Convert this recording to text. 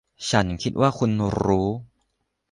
ฉันคิดว่าคุณรู้